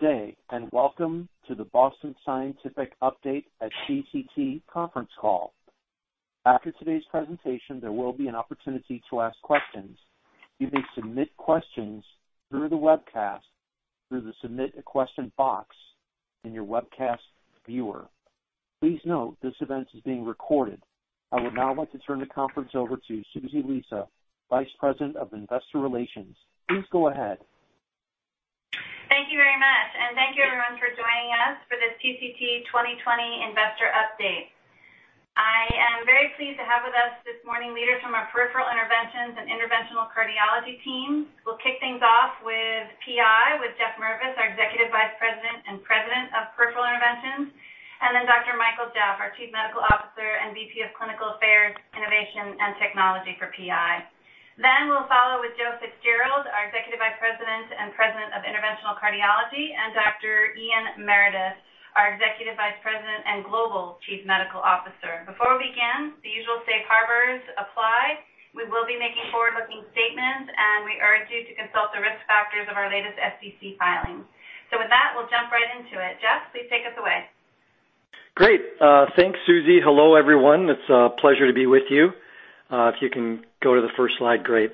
Day, and welcome to the Boston Scientific Update at CCT Conference Call. After today's presentation, there will be an opportunity to ask questions. You may submit questions through the webcast, through the Submit a Question box in your webcast viewer. Please note this event is being recorded. I would now like to turn the conference over to Susie Lisa, Vice President of Investor Relations. Please go ahead. Thank you very much. Thank you everyone for joining us for this CCT 2020 Investor Update. I am very pleased to have with us this morning leaders from our peripheral interventions and interventional cardiology teams. We'll kick things off with PI, with Jeff Mirviss, our Executive Vice President and President of Peripheral Interventions, and then Dr. Michael Jaff, our Chief Medical Officer and VP of Clinical Affairs, Innovation, and Technology for PI. We'll follow with Joe Fitzgerald, our Executive Vice President and President of Interventional Cardiology, and Dr. Ian Meredith, our Executive Vice President and Global Chief Medical Officer. Before we begin, the usual safe harbors apply. We will be making forward-looking statements, and we urge you to consult the risk factors of our latest SEC filings. With that, we'll jump right into it. Jeff, please take us away. Great. Thanks, Susie. Hello, everyone. It's a pleasure to be with you. If you can go to the first slide, great.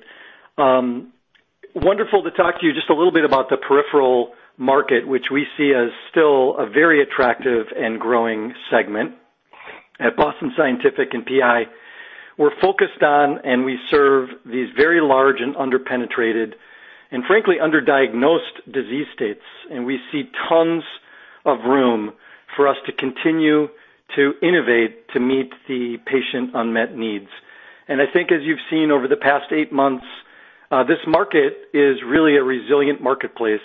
Wonderful to talk to you just a little bit about the peripheral market, which we see as still a very attractive and growing segment. At Boston Scientific and PI, we're focused on and we serve these very large and under-penetrated, and frankly, under-diagnosed disease states. We see tons of room for us to continue to innovate to meet the patient unmet needs. I think as you've seen over the past eight months, this market is really a resilient marketplace,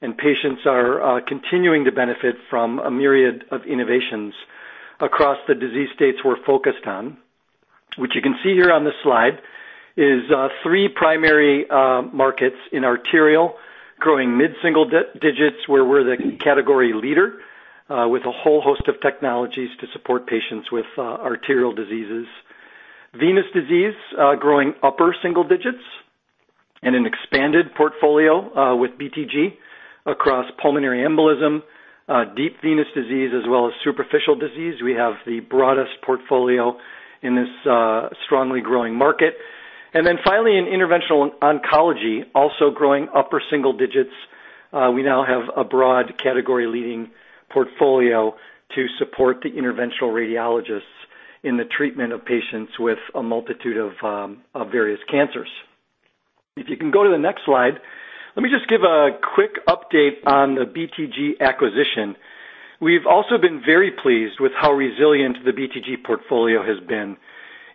and patients are continuing to benefit from a myriad of innovations across the disease states we're focused on. What you can see here on this slide is three primary markets in arterial, growing mid-single digits, where we're the category leader, with a whole host of technologies to support patients with arterial diseases. Venous disease, growing upper single digits, and an expanded portfolio with BTG across pulmonary embolism, deep venous disease, as well as superficial disease. We have the broadest portfolio in this strongly growing market. Finally, in interventional oncology, also growing upper single digits. We now have a broad category leading portfolio to support the interventional radiologists in the treatment of patients with a multitude of various cancers. If you can go to the next slide, let me just give a quick update on the BTG acquisition. We've also been very pleased with how resilient the BTG portfolio has been,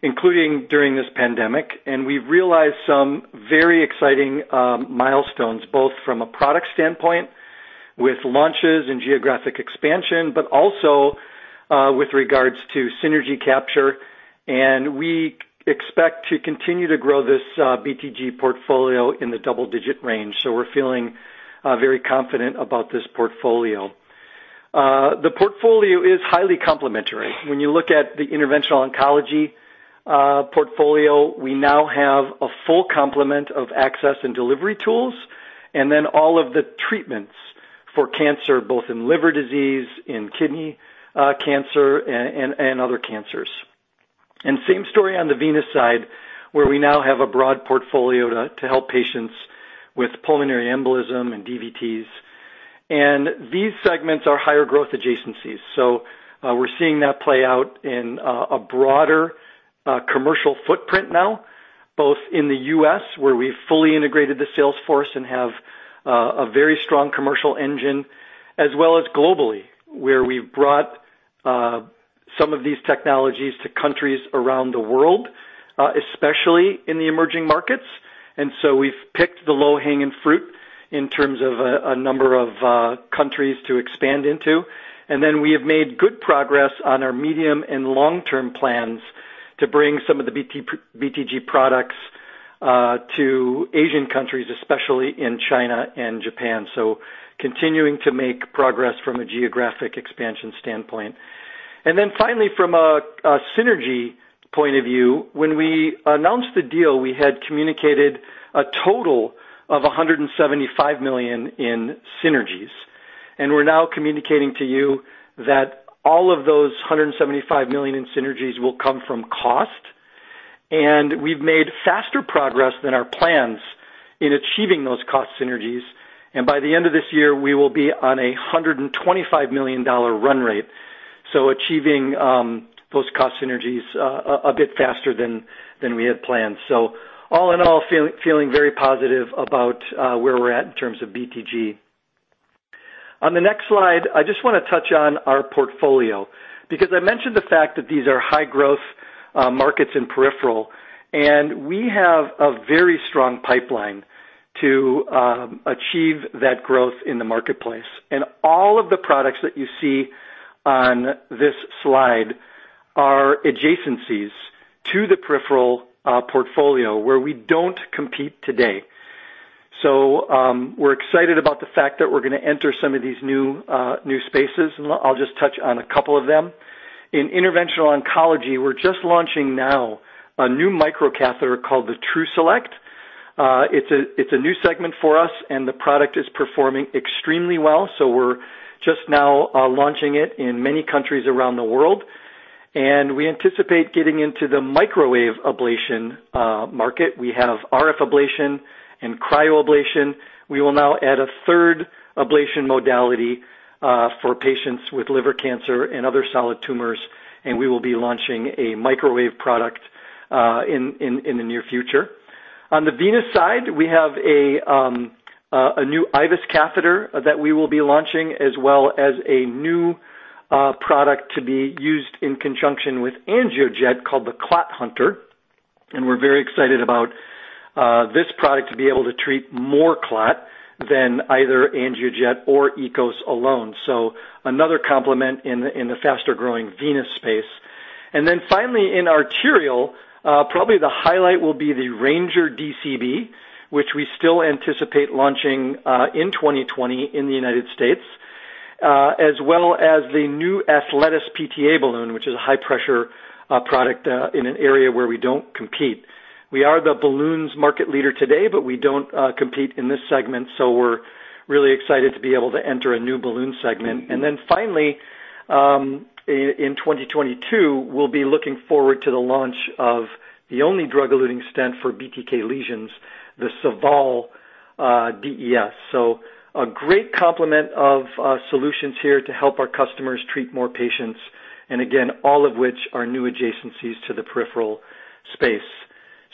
including during this pandemic, and we've realized some very exciting milestones, both from a product standpoint with launches and geographic expansion, but also with regards to synergy capture, and we expect to continue to grow this BTG portfolio in the double-digit range. We're feeling very confident about this portfolio. The portfolio is highly complementary. When you look at the interventional oncology portfolio, we now have a full complement of access and delivery tools, and then all of the treatments for cancer, both in liver disease, in kidney cancer, and other cancers. Same story on the Venous side, where we now have a broad portfolio to help patients with pulmonary embolism and DVTs. These segments are higher growth adjacencies. We're seeing that play out in a broader commercial footprint now, both in the U.S., where we've fully integrated the sales force and have a very strong commercial engine, as well as globally, where we've brought some of these technologies to countries around the world, especially in the emerging markets. We've picked the low-hanging fruit in terms of a number of countries to expand into. We have made good progress on our medium and long-term plans to bring some of the BTG products to Asian countries, especially in China and Japan. Continuing to make progress from a geographic expansion standpoint. Finally, from a synergy point of view, when we announced the deal, we had communicated a total of $175 million in synergies. We're now communicating to you that all of those $175 million in synergies will come from cost. We've made faster progress than our plans in achieving those cost synergies. By the end of this year, we will be on a $125 million run rate. Achieving those cost synergies a bit faster than we had planned. All in all, feeling very positive about where we're at in terms of BTG. On the next slide, I just want to touch on our portfolio, because I mentioned the fact that these are high-growth markets in peripheral, and we have a very strong pipeline to achieve that growth in the marketplace. All of the products that you see on this slide are adjacencies to the peripheral portfolio where we don't compete today. We're excited about the fact that we're going to enter some of these new spaces, and I'll just touch on a couple of them. In interventional oncology, we're just launching now a new microcatheter called the TruSelect. It's a new segment for us and the product is performing extremely well. We're just now launching it in many countries around the world, and we anticipate getting into the microwave ablation market. We have RF ablation and cryoablation. We will now add a third ablation modality for patients with liver cancer and other solid tumors, and we will be launching a microwave product in the near future. On the venous side, we have a new IVUS catheter that we will be launching as well as a new product to be used in conjunction with AngioJet called the Clot Hunter. We're very excited about this product to be able to treat more clot than either AngioJet or EKOS alone. Another complement in the faster-growing Venous space. Finally, in arterial, probably the highlight will be the Ranger DCB, which we still anticipate launching in 2020 in the U.S., as well as the new Athletis PTA balloon, which is a high-pressure product in an area where we don't compete. We are the balloons market leader today. We don't compete in this segment. We're really excited to be able to enter a new balloon segment. Finally, in 2022, we'll be looking forward to the launch of the only drug-eluting stent for BTK lesions, the SAVAL DES. A great complement of solutions here to help our customers treat more patients, and again, all of which are new adjacencies to the peripheral space.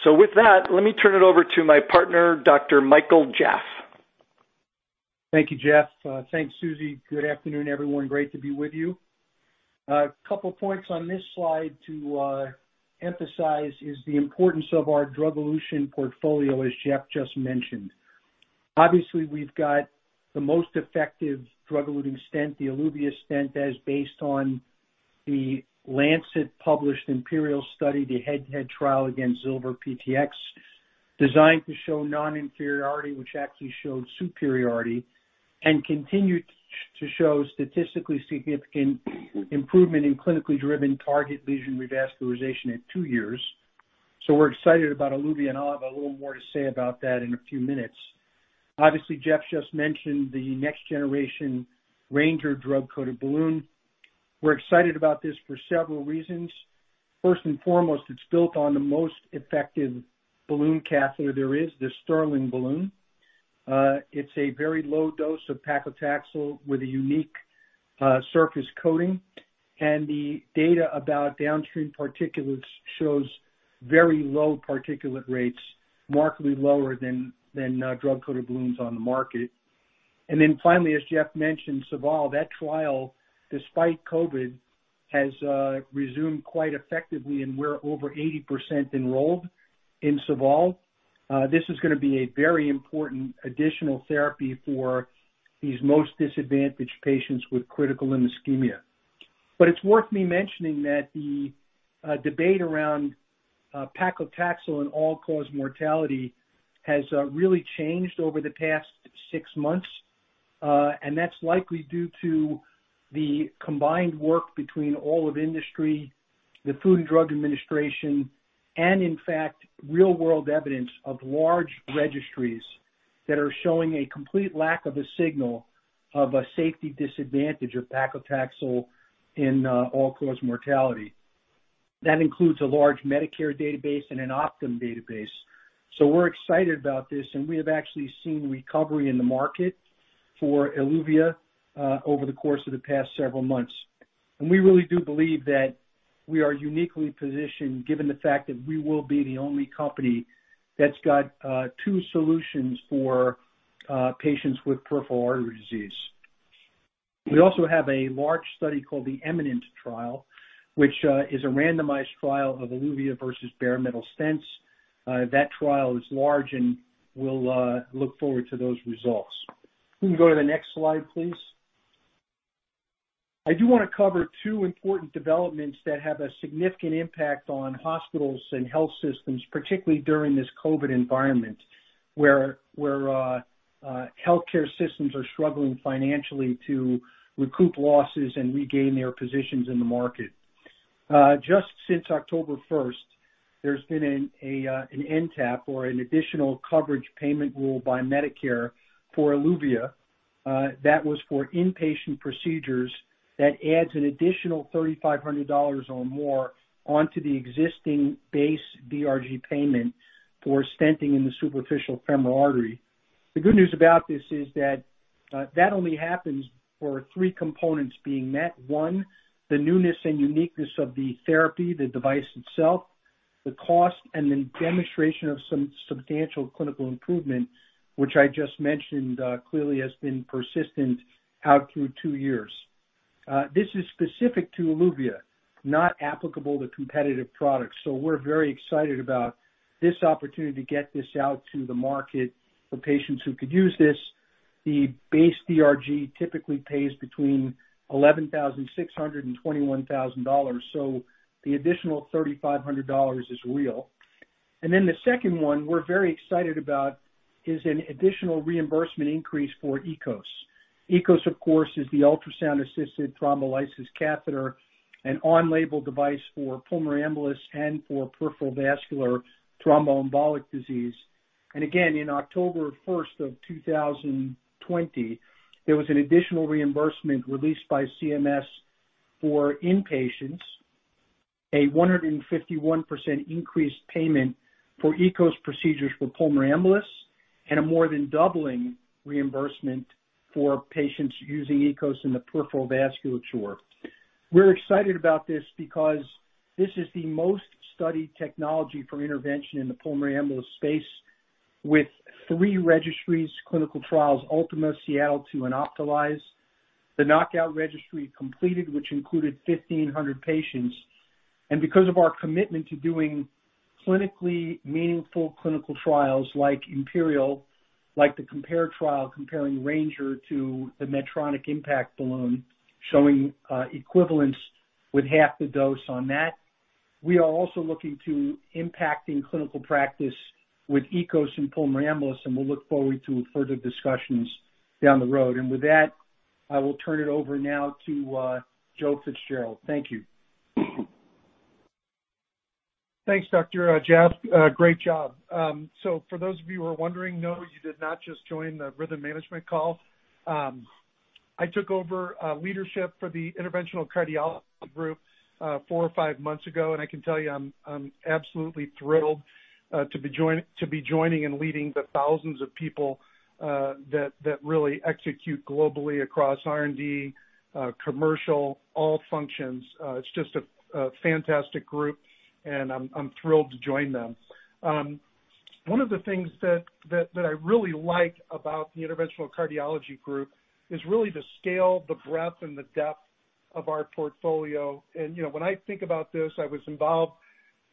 With that, let me turn it over to my partner, Dr. Michael Jaff. Thank you, Jeff. Thanks, Susie. Good afternoon, everyone. Great to be with you. A couple of points on this slide to emphasize is the importance of our drug elution portfolio, as Jeff just mentioned. Obviously, we've got the most effective drug-eluting stent, the ELUVIA stent, as based on The Lancet published IMPERIAL study, the head-to-head trial against Zilver PTX, designed to show non-inferiority, which actually showed superiority, and continued to show statistically significant improvement in clinically driven target lesion revascularization at two years. We're excited about ELUVIA, and I'll have a little more to say about that in a few minutes. Obviously, Jeff just mentioned the next generation Ranger drug-coated balloon. We're excited about this for several reasons. First and foremost, it's built on the most effective balloon catheter there is, the Sterling balloon. It's a very low dose of paclitaxel with a unique surface coating. The data about downstream particulates shows very low particulate rates, markedly lower than drug-coated balloons on the market. Finally, as Jeff mentioned, SAVAL. That trial, despite COVID, has resumed quite effectively, and we're over 80% enrolled in SAVAL. This is going to be a very important additional therapy for these most disadvantaged patients with critical ischemia. It's worth me mentioning that the debate around paclitaxel and all-cause mortality has really changed over the past six months. That's likely due to the combined work between all of industry, the Food and Drug Administration, and in fact, real-world evidence of large registries that are showing a complete lack of a signal of a safety disadvantage of paclitaxel in all-cause mortality. That includes a large Medicare database and an Optum database. We're excited about this, and we have actually seen recovery in the market for ELUVIA over the course of the past several months. We really do believe that we are uniquely positioned given the fact that we will be the only company that's got two solutions for patients with peripheral artery disease. We also have a large study called the EMINENT trial, which is a randomized trial of ELUVIA versus bare metal stents. That trial is large and we'll look forward to those results. Can you go to the next slide, please? I do want to cover two important developments that have a significant impact on hospitals and health systems, particularly during this COVID environment, where healthcare systems are struggling financially to recoup losses and regain their positions in the market. Just since October 1st, there's been an NTAP or an additional coverage payment rule by Medicare for ELUVIA. That was for inpatient procedures that adds an additional $3,500 or more onto the existing base DRG payment for stenting in the superficial femoral artery. The good news about this is that only happens for three components being met. One, the newness and uniqueness of the therapy, the device itself, the cost, and then demonstration of some substantial clinical improvement, which I just mentioned clearly has been persistent out through two years. This is specific to ELUVIA, not applicable to competitive products. We're very excited about this opportunity to get this out to the market for patients who could use this. The base DRG typically pays between $11,600 and $21,000, so the additional $3,500 is real. The second one we're very excited about is an additional reimbursement increase for EKOS. EKOS, of course, is the ultrasound-assisted thrombolysis catheter and on-label device for pulmonary embolus and for peripheral vascular thromboembolic disease. Again, in October 1st of 2020, there was an additional reimbursement released by CMS for inpatients, a 151% increased payment for EKOS procedures for pulmonary embolus, and a more than doubling reimbursement for patients using EKOS in the peripheral vasculature. We're excited about this because this is the most studied technology for intervention in the pulmonary embolus space with three registries clinical trials, ULTIMA, SEATTLE II, and OPTALYSE. The KNOCOUT registry completed, which included 1,500 patients. Because of our commitment to doing clinically meaningful clinical trials like IMPERIAL, like the COMPARE trial, comparing Ranger to the Medtronic IN.PACT balloon, showing equivalence with half the dose on that. We are also looking to impacting clinical practice with EKOS and pulmonary embolus, and we'll look forward to further discussions down the road. With that, I will turn it over now to Joe Fitzgerald. Thank you. Thanks, Dr. Jaff. Great job. For those of you who are wondering, no, you did not just join the rhythm management call. I took over leadership for the interventional cardiology group, four or five months ago. I can tell you, I'm absolutely thrilled to be joining and leading the thousands of people that really execute globally across R&D, commercial, all functions. It's just a fantastic group, and I'm thrilled to join them. One of the things that I really like about the interventional cardiology group is really the scale, the breadth, and the depth of our portfolio. When I think about this, I was involved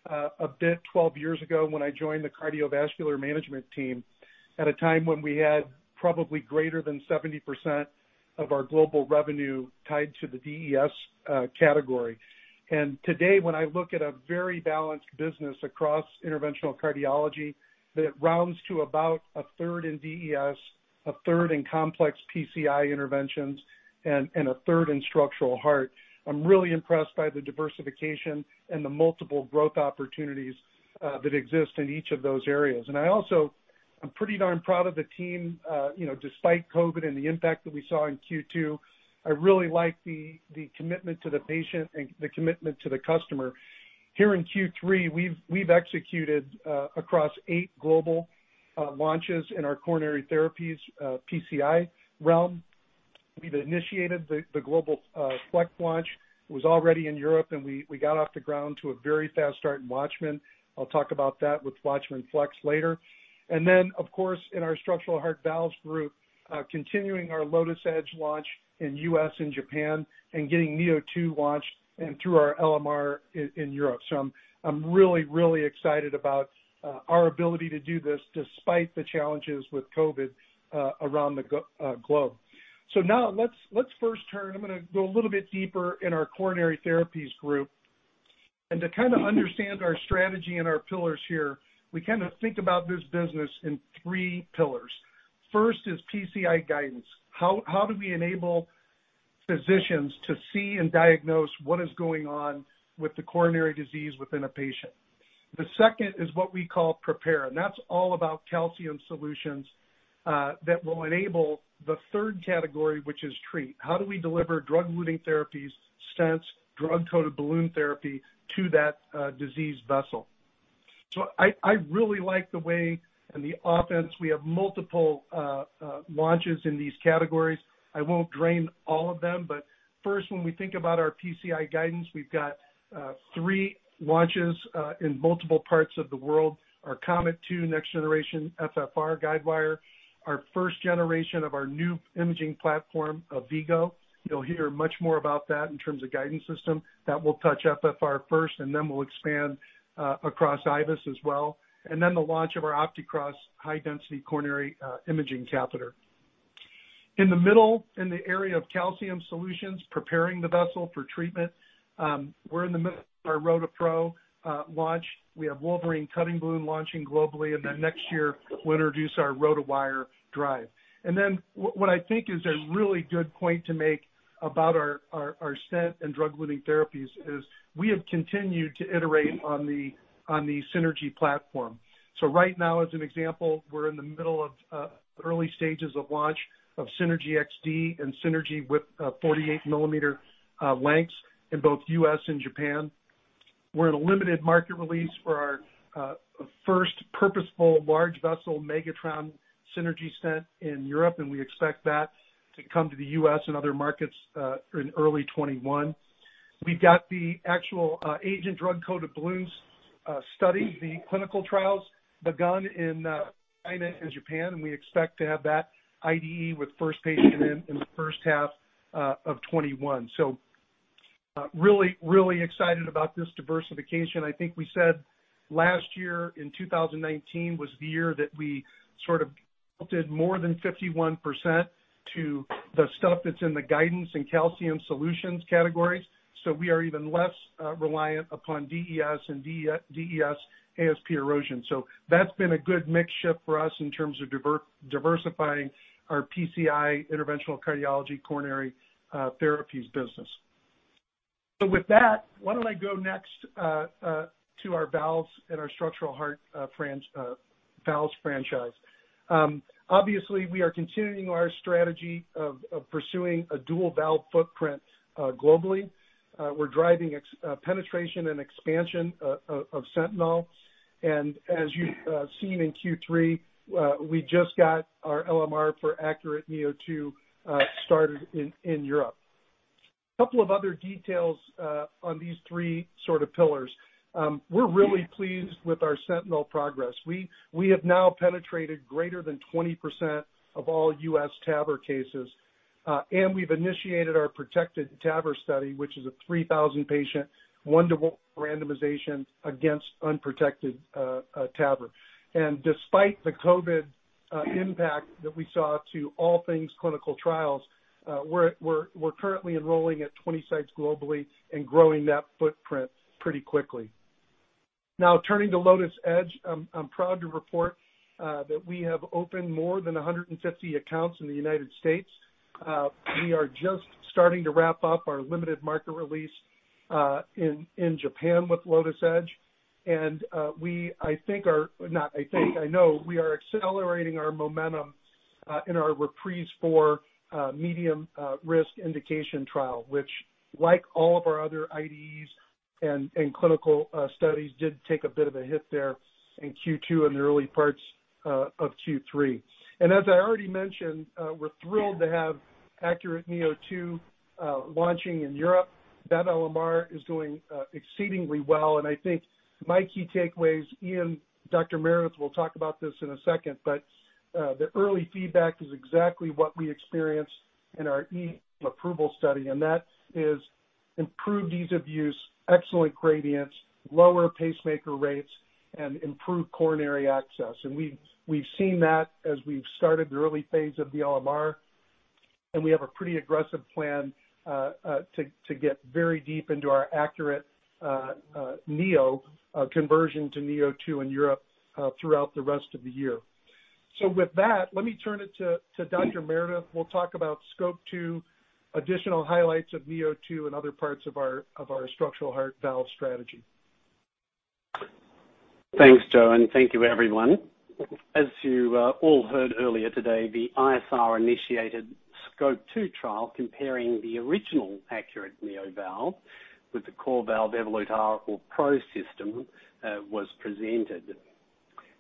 a bit 12 years ago when I joined the cardiovascular management team at a time when we had probably greater than 70% of our global revenue tied to the DES category. Today, when I look at a very balanced business across Interventional Cardiology that rounds to about a third in DES, a third in complex PCI interventions, and a third in Structural Heart. I'm really impressed by the diversification and the multiple growth opportunities that exist in each of those areas. I also am pretty darn proud of the team despite COVID and the impact that we saw in Q2. I really like the commitment to the patient and the commitment to the customer. Here in Q3, we've executed across eight global launches in our Coronary Therapies, PCI realm. We've initiated the global FLX launch. It was already in Europe, and we got off the ground to a very fast start in WATCHMAN. I'll talk about that with WATCHMAN FLX later. Then, of course, in our structural heart valves group, continuing our LOTUS Edge launch in U.S. and Japan and getting neo2 launched and through our LMR in Europe. I'm really excited about our ability to do this despite the challenges with COVID around the globe. Now let's first turn. I'm going to go a little bit deeper in our coronary therapies group. To kind of understand our strategy and our pillars here, we kind of think about this business in three pillars. First is PCI guidance. How do we enable physicians to see and diagnose what is going on with the coronary disease within a patient? The second is what we call prepare, and that's all about calcium solutions that will enable the third category, which is treat. How do we deliver drug-eluting therapies, stents, drug-coated balloon therapy to that diseased vessel? I really like the way and the offense. We have multiple launches in these categories. I won't drain all of them, first, when we think about our PCI guidance, we've got three launches in multiple parts of the world. Our COMET II next generation FFR guidewire, our first generation of our new imaging platform, AVVIGO. You'll hear much more about that in terms of guidance system. That will touch FFR first, then we'll expand across IVUS as well. The launch of our OPTICROSS high-density coronary imaging catheter. In the middle, in the area of calcium solutions, preparing the vessel for treatment, we're in the middle of our ROTAPRO launch. We have WOLVERINE cutting balloon launching globally, then next year, we'll introduce our ROTAWIRE DRIVE. What I think is a really good point to make about our stent and drug-eluting therapies is we have continued to iterate on the SYNERGY platform. Right now, as an example, we're in the middle of early stages of launch of SYNERGY XD and SYNERGY with 48-mm lengths in both U.S. and Japan. We're in a limited market release for our first purposeful large vessel SYNERGY MEGATRON stent in Europe, and we expect that to come to the U.S. and other markets in early 2021. We've got the actual AGENT drug-coated balloons study, the clinical trials begun in China and Japan, and we expect to have that IDE with first patient in the first half of 2021. Really excited about this diversification. I think we said last year in 2019 was the year that we sort of. More than 51% to the stuff that's in the guidance and calcium solutions categories. We are even less reliant upon DES and DES ASP erosion. That's been a good mix shift for us in terms of diversifying our PCI interventional cardiology coronary therapies business. With that, why don't I go next to our valves and our structural heart valves franchise. Obviously, we are continuing our strategy of pursuing a dual valve footprint globally. We're driving penetration and expansion of Sentinel. As you've seen in Q3, we just got our LMR for ACURATE neo2 started in Europe. Couple of other details on these three sort of pillars. We're really pleased with our Sentinel progress. We have now penetrated greater than 20% of all U.S. TAVR cases. We've initiated our PROTECTED TAVR study, which is a 3,000-patient, 1-to-1 randomization against unprotected TAVR. Despite the COVID impact that we saw to all things clinical trials, we're currently enrolling at 20 sites globally and growing that footprint pretty quickly. Turning to LOTUS Edge. I'm proud to report that we have opened more than 150 accounts in the U.S. We are just starting to wrap up our limited market release in Japan with LOTUS Edge, and I know we are accelerating our momentum in our REPRISE IV medium risk indication trial, which like all of our other IDEs and clinical studies, did take a bit of a hit there in Q2 and the early parts of Q3. As I already mentioned, we're thrilled to have ACURATE neo2 launching in Europe. That LMR is doing exceedingly well, and I think my key takeaways, Ian, Dr. Meredith will talk about this in a second, but the early feedback is exactly what we experienced in our approval study, and that is improved ease of use, excellent gradients, lower pacemaker rates, and improved coronary access. We've seen that as we've started the early phase of the LMR, and we have a pretty aggressive plan to get very deep into our ACURATE neo conversion to neo2 in Europe throughout the rest of the year. With that, let me turn it to Dr. Meredith, who will talk about SCOPE II, additional highlights of neo2 and other parts of our structural heart valve strategy. Thanks, Joe, and thank you everyone. As you all heard earlier today, the ISR-initiated SCOPE II trial, comparing the original ACURATE neo valve with the CoreValve Evolut R or PRO system, was presented.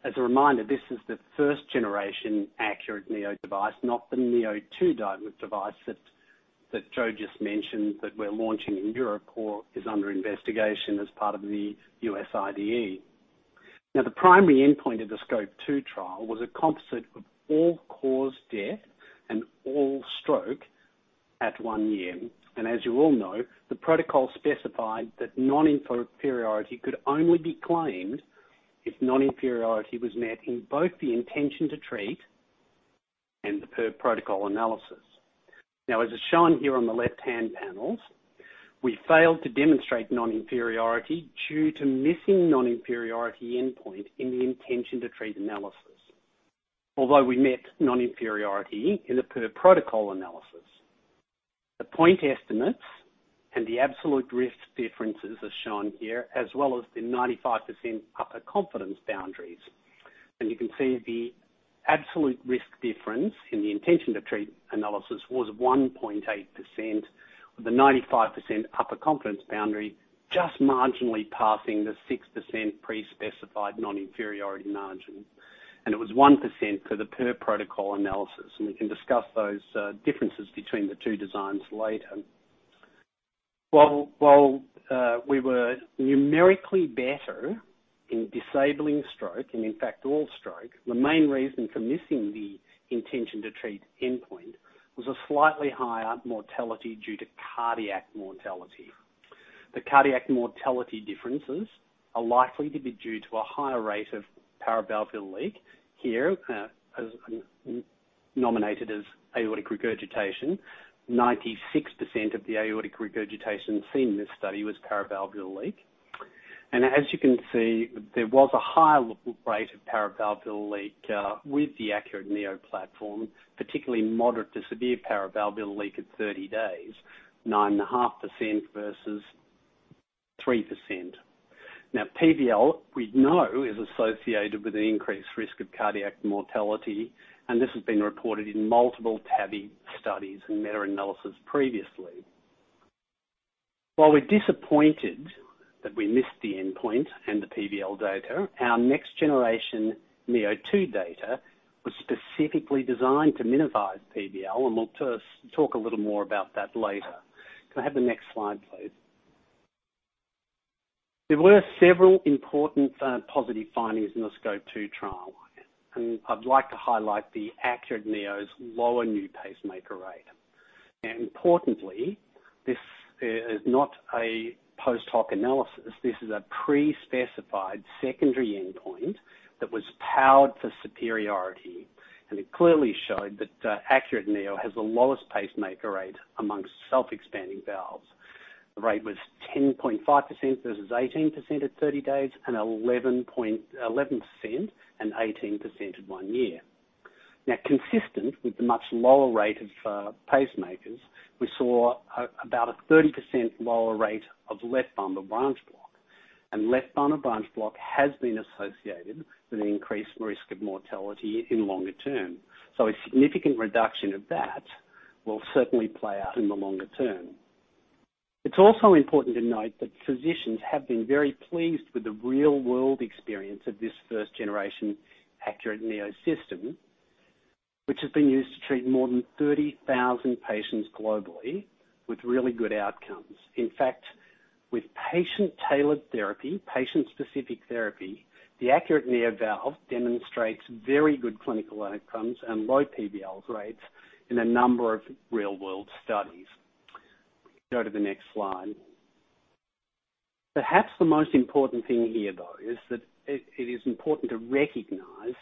As a reminder, this is the first generation ACURATE neo device, not the neo2 device that Joe just mentioned that we're launching in Europe or is under investigation as part of the U.S. IDE. The primary endpoint of the SCOPE II trial was a composite of all-cause death and all stroke at one year. As you all know, the protocol specified that non-inferiority could only be claimed if non-inferiority was met in both the intention to treat and the per-protocol analysis. As is shown here on the left-hand panels, we failed to demonstrate non-inferiority due to missing non-inferiority endpoint in the intention-to-treat analysis. Although we met non-inferiority in the per-protocol analysis. The point estimates and the absolute risk differences are shown here, as well as the 95% upper confidence boundaries. You can see the absolute risk difference in the intention-to-treat analysis was 1.8%, with the 95% upper confidence boundary just marginally passing the 6% pre-specified non-inferiority margin. It was 1% for the per-protocol analysis. We can discuss those differences between the two designs later. While we were numerically better in disabling stroke and in fact, all stroke, the main reason for missing the intention-to-treat endpoint was a slightly higher mortality due to cardiac mortality. The cardiac mortality differences are likely to be due to a higher rate of paravalvular leak. Here, as nominated as aortic regurgitation. 96% of the aortic regurgitation seen in this study was paravalvular leak. As you can see, there was a higher rate of paravalvular leak with the ACURATE neo platform, particularly moderate to severe paravalvular leak at 30 days, 9.5% versus 3%. PVL, we know, is associated with an increased risk of cardiac mortality, and this has been reported in multiple TAVI studies and meta-analysis previously. While we're disappointed that we missed the endpoint and the PVL data, our next generation Neo2 data was specifically designed to minimize PVL, and we'll talk a little more about that later. Can I have the next slide, please? There were several important positive findings in the SCOPE II trial, and I'd like to highlight the ACURATE neo's lower new pacemaker rate. Importantly, this is not a post-hoc analysis. This is a pre-specified secondary endpoint that was powered for superiority, and it clearly showed that ACURATE neo has the lowest pacemaker rate amongst self-expanding valves. The rate was 10.5% versus 18% at 30 days, and 11% and 18% at one year. Consistent with the much lower rate of pacemakers, we saw about a 30% lower rate of left bundle branch block. Left bundle branch block has been associated with an increased risk of mortality in longer term. So a significant reduction of that will certainly play out in the longer term. It is also important to note that physicians have been very pleased with the real-world experience of this first generation ACURATE neo system, which has been used to treat more than 30,000 patients globally with really good outcomes. In fact, with patient-tailored therapy, patient-specific therapy, the ACURATE neo valve demonstrates very good clinical outcomes and low PVL rates in a number of real-world studies. Go to the next slide. Perhaps the most important thing here, though, is that it is important to recognize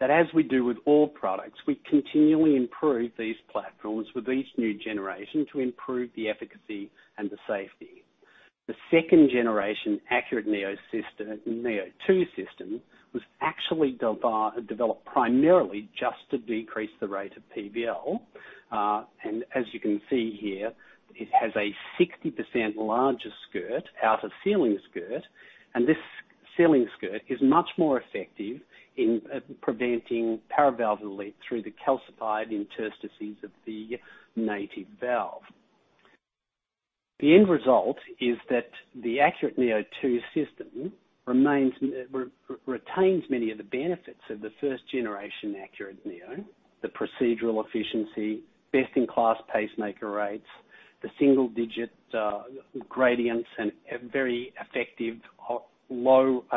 that as we do with all products, we continually improve these platforms with each new generation to improve the efficacy and the safety. The second generation ACURATE neo2 system was actually developed primarily just to decrease the rate of PVL. As you can see here, it has a 60% larger skirt, outer sealing skirt, and this sealing skirt is much more effective in preventing paravalvular leak through the calcified interstices of the native valve. The end result is that the ACURATE neo2 system retains many of the benefits of the first generation ACURATE neo, the procedural efficiency, best-in-class pacemaker rates, the single-digit gradients, and very effective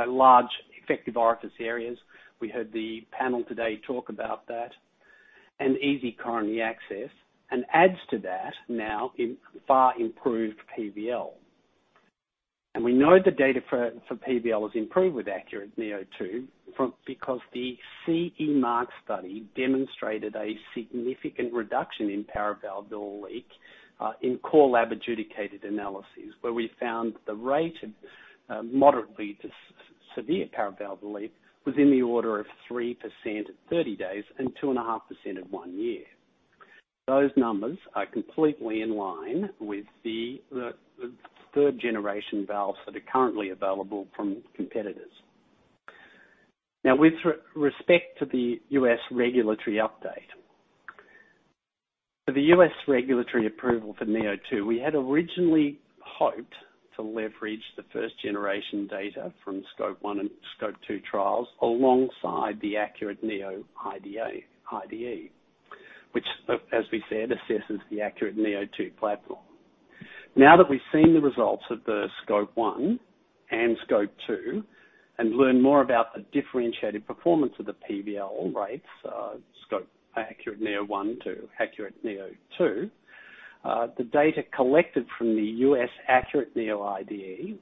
large effective orifice areas. We heard the panel today talk about that, and easy coronary access, and adds to that now in far improved PVL. We know the data for PVL has improved with ACURATE neo2, because the CE Mark study demonstrated a significant reduction in paravalvular leak in core lab adjudicated analyses, where we found the rate of moderate to severe paravalvular leak was in the order of 3% at 30 days and 2.5% at one year. Those numbers are completely in line with the third generation valves that are currently available from competitors. Now with respect to the U.S. regulatory update. For the U.S. regulatory approval for neo2, we had originally hoped to leverage the first generation data from SCOPE I and SCOPE II trials alongside the ACURATE IDE, which, as we said, assesses the ACURATE neo2 platform. Now that we've seen the results of the SCOPE I and SCOPE II and learned more about the differentiated performance of the PVL rates, ACURATE neo 1 to ACURATE neo 2, the data collected from the U.S. ACURATE neo IDE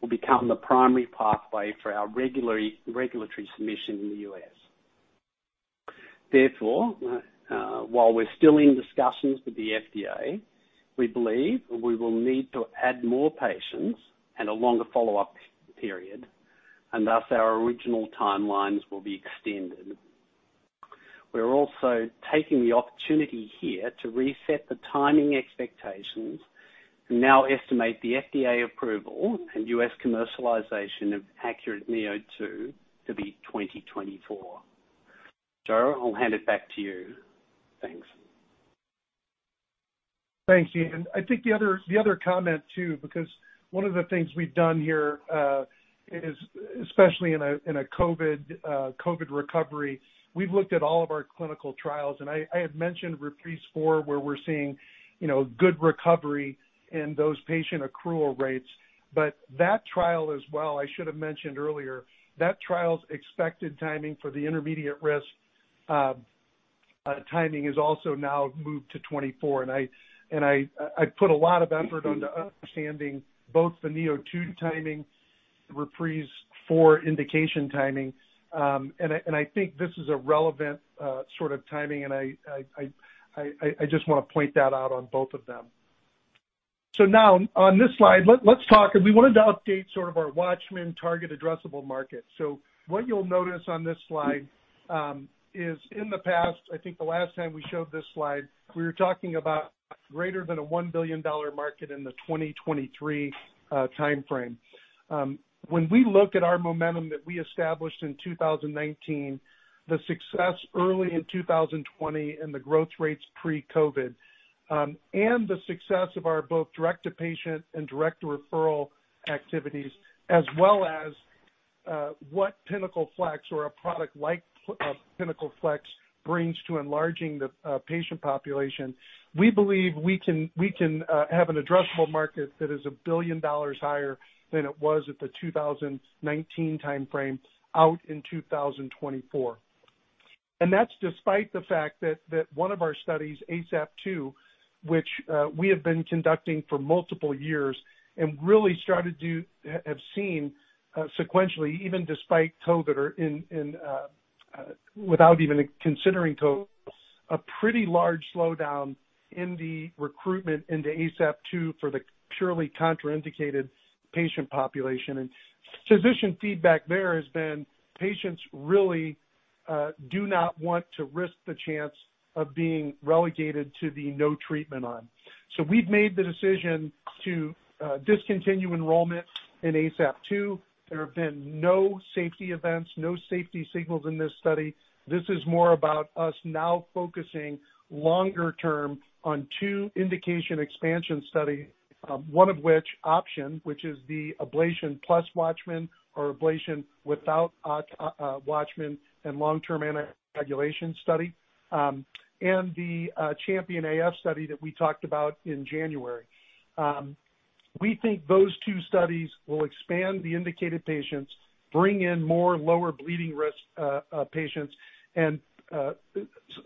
will become the primary pathway for our regulatory submission in the U.S. While we're still in discussions with the FDA, we believe we will need to add more patients and a longer follow-up period, and thus our original timelines will be extended. We're also taking the opportunity here to reset the timing expectations and now estimate the FDA approval and U.S. commercialization of ACURATE neo 2 to be 2024. Joe, I'll hand it back to you. Thanks. Thank you. I think the other comment too, because one of the things we've done here, especially in a COVID recovery, we've looked at all of our clinical trials, and I had mentioned REPRISE IV, where we're seeing good recovery in those patient accrual rates. That trial as well, I should have mentioned earlier, that trial's expected timing for the intermediate risk timing is also now moved to 2024. I put a lot of effort into understanding both the neo2 timing, the REPRISE IV indication timing. I think this is a relevant sort of timing. I just want to point that out on both of them. Now on this slide, let's talk. We wanted to update sort of our WATCHMAN target addressable market. What you'll notice on this slide is in the past, I think the last time we showed this slide, we were talking about greater than a $1 billion market in the 2023 timeframe. When we look at our momentum that we established in 2019, the success early in 2020 and the growth rates pre-COVID, the success of our both direct-to-patient and direct-to-referral activities, as well as what PINNACLE FLX or a product like PINNACLE FLX brings to enlarging the patient population, we believe we can have an addressable market that is $1 billion higher than it was at the 2019 timeframe out in 2024. That's despite the fact that one of our studies, ASAP-TOO, which we have been conducting for multiple years and really started to have seen sequentially, even despite TOBA, without even considering TOBA, a pretty large slowdown in the recruitment into ASAP-TOO for the purely contraindicated patient population. Physician feedback there has been, patients really do not want to risk the chance of being relegated to the no treatment arm. We've made the decision to discontinue enrollment in ASAP-TOO. There have been no safety events, no safety signals in this study. This is more about us now focusing longer term on two indication expansion study. One of which, OPTION, which is the ablation plus WATCHMAN or ablation without WATCHMAN and long-term anticoagulation study. The CHAMPION-AF study that we talked about in January. We think those two studies will expand the indicated patients, bring in more lower bleeding risk patients, and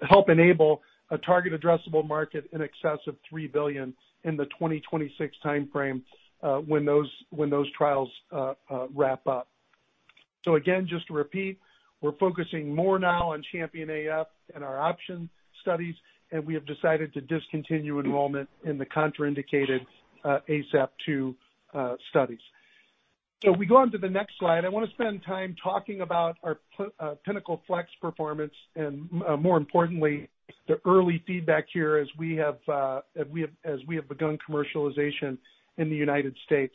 help enable a target addressable market in excess of $3 billion in the 2026 timeframe when those trials wrap up. Again, just to repeat, we're focusing more now on CHAMPION-AF and our OPTION studies, and we have decided to discontinue enrollment in the contraindicated ASAP-TOO studies. We go on to the next slide. I want to spend time talking about our PINNACLE FLX performance and, more importantly, the early feedback here as we have begun commercialization in the United States.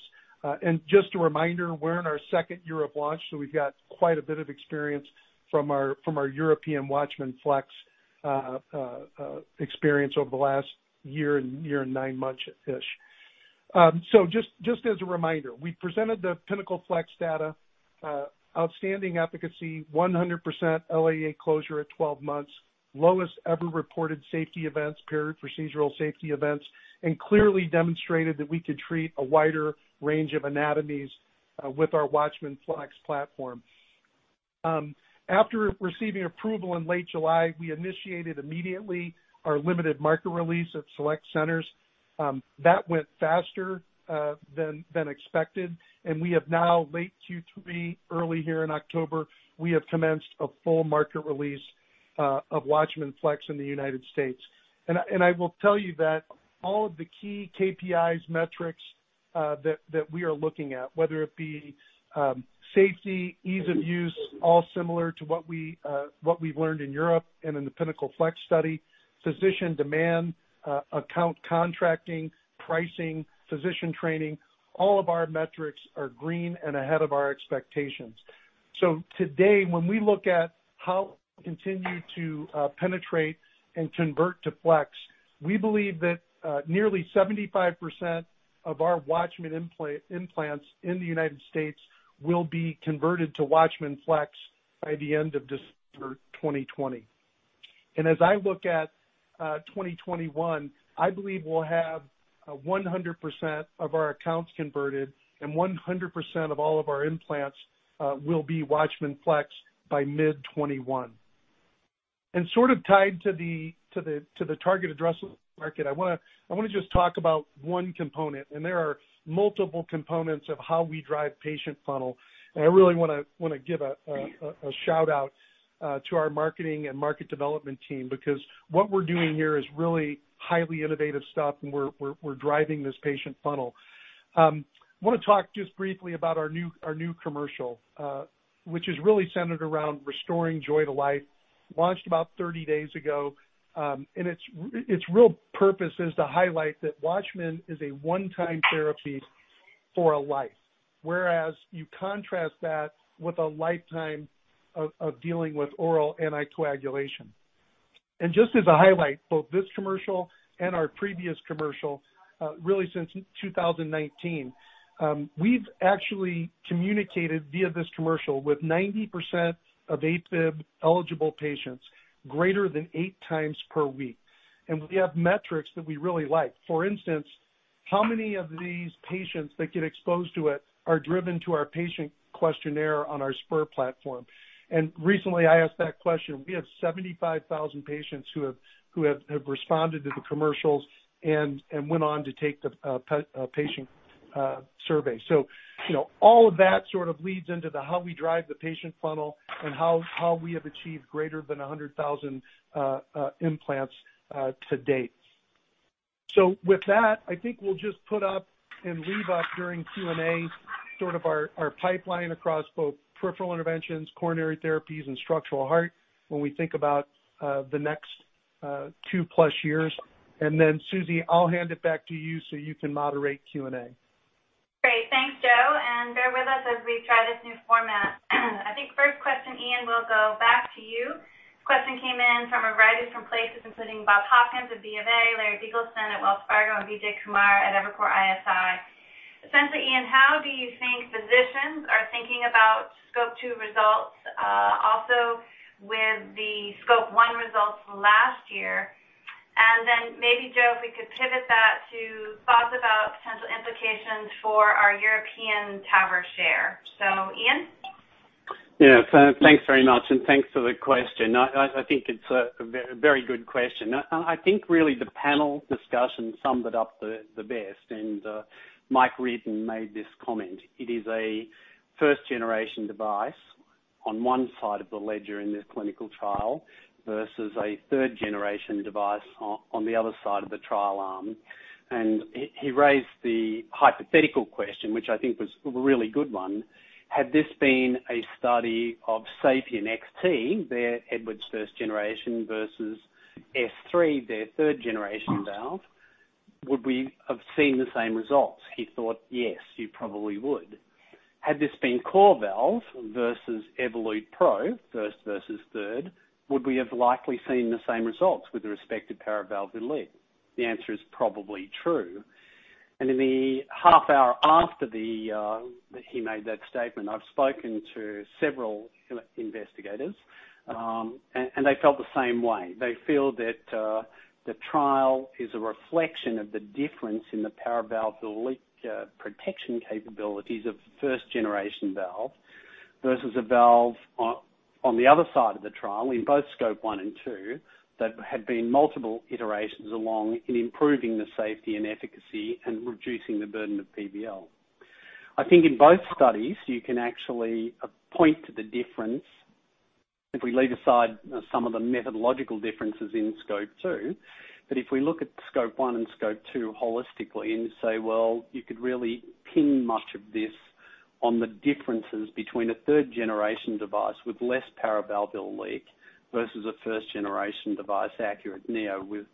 Just a reminder, we're in our second year of launch, so we've got quite a bit of experience from our European WATCHMAN FLX experience over the last year and nine months-ish. Just as a reminder, we presented the PINNACLE FLX data, outstanding efficacy, 100% LAA closure at 12 months, lowest ever reported safety events, period, procedural safety events, and clearly demonstrated that we could treat a wider range of anatomies with our WATCHMAN FLX platform. After receiving approval in late July, we initiated immediately our limited market release at select centers. That went faster than expected, and we have now, late Q3, early here in October, we have commenced a full market release of WATCHMAN FLX in the United States. I will tell you that all of the key KPIs, metrics that we are looking at, whether it be safety, ease of use, all similar to what we've learned in Europe and in the PINNACLE FLX study. Physician demand, account contracting, pricing, physician training, all of our metrics are green and ahead of our expectations. Today, when we look at how we continue to penetrate and convert to FLX, we believe that nearly 75% of our WATCHMAN implants in the U.S. will be converted to WATCHMAN FLX by the end of December 2020. As I look at 2021, I believe we'll have 100% of our accounts converted and 100% of all of our implants will be WATCHMAN FLX by mid 2021. Sort of tied to the target addressable market, I want to just talk about one component, and there are multiple components of how we drive patient funnel. I really want to give a shout-out to our marketing and market development team, because what we're doing here is really highly innovative stuff, and we're driving this patient funnel. I want to talk just briefly about our new commercial, which is really centered around restoring joy to life, launched about 30 days ago. Its real purpose is to highlight that WATCHMAN is a one-time therapy for a life, whereas you contrast that with a lifetime of dealing with oral anticoagulation. Just as a highlight, both this commercial and our previous commercial, really since 2019, we've actually communicated via this commercial with 90% of AFib-eligible patients, greater than eight times per week. We have metrics that we really like. For instance, how many of these patients that get exposed to it are driven to our patient questionnaire on our SPUR platform? Recently I asked that question. We have 75,000 patients who have responded to the commercials and went on to take the patient survey. All of that sort of leads into the how we drive the patient funnel and how we have achieved greater than 100,000 implants to date. With that, I think we'll just put up and leave up during Q&A sort of our pipeline across both peripheral interventions, coronary therapies, and structural heart when we think about the next two-plus years. Susie, I'll hand it back to you so you can moderate Q&A. Great. Thanks, Joe. Bear with us as we try this new format. I think first question, Ian, will go back to you. This question came in from a variety of places, including Bob Hopkins of BofA, Larry Biegelsen at Wells Fargo, and Vijay Kumar at Evercore ISI. Essentially, Ian, how do you think physicians are thinking about SCOPE II results? Also with the SCOPE I results from last year. Maybe Joe, if we could pivot that to thoughts about potential implications for our European TAVR share. Ian? Yeah. Thanks very much, and thanks for the question. I think it's a very good question. I think really the panel discussion summed it up the best, and Mike Reid made this comment. It is a first-generation device on one side of the ledger in this clinical trial versus a third-generation device on the other side of the trial arm. He raised the hypothetical question, which I think was a really good one. Had this been a study of SAPIEN XT, their Edwards first generation versus S3, their third-generation valve, would we have seen the same results? He thought, yes, you probably would. Had this been CoreValve versus Evolut PRO, first versus third, would we have likely seen the same results with the respective paravalvular leak? The answer is probably true. In the half hour after he made that statement, I've spoken to several investigators, and they felt the same way. They feel that the trial is a reflection of the difference in the paravalvular leak protection capabilities of a first-generation valve versus a valve on the other side of the trial in both SCOPE I and II, that have been multiple iterations along in improving the safety and efficacy and reducing the burden of PVL. I think in both studies, you can actually point to the difference if we leave aside some of the methodological differences in SCOPE II. If we look at SCOPE I and SCOPE II holistically and say, well, you could really pin much of this on the differences between a third-generation device with less paravalvular leak versus a first-generation device, ACURATE neo, with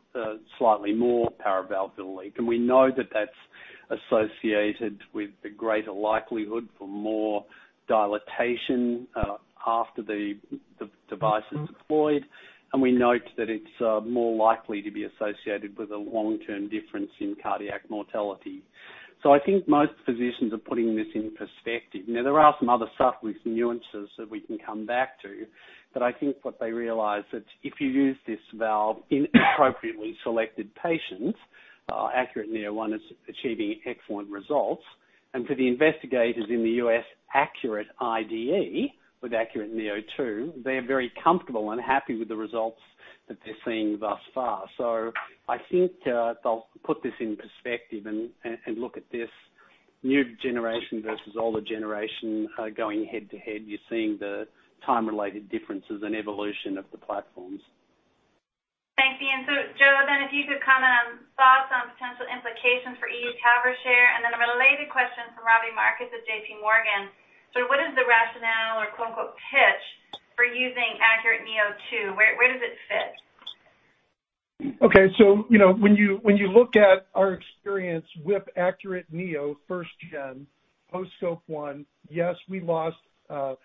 slightly more paravalvular leak. We know that's associated with the greater likelihood for more dilatation after the device is deployed. We note that it's more likely to be associated with a long-term difference in cardiac mortality. I think most physicians are putting this in perspective. There are some other subtleties and nuances that we can come back to, but I think what they realize is that if you use this valve in appropriately selected patients, ACURATE neo is achieving excellent results. For the investigators in the U.S. ACURATE IDE with ACURATE neo2, they are very comfortable and happy with the results that they're seeing thus far. I think they'll put this in perspective and look at this new generation versus older generation going head to head. You're seeing the time-related differences and evolution of the platforms. Thanks, Ian. Joe, if you could comment on thoughts on potential implications for EU TAVR share, a related question from Robbie Marcus at JPMorgan. What is the rationale or "pitch" for using ACURATE neo2? Where does it fit? Okay. When you look at our experience with ACURATE neo first gen post SCOPE I, yes, we lost a